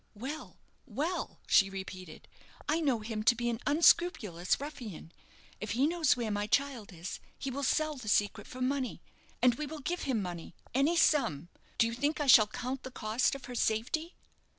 "Well, well," she repeated. "I know him to be an unscrupulous ruffian. If he knows where my child is, he will sell the secret for money, and we will give him money any sum; do you think I shall count the cost of her safety?"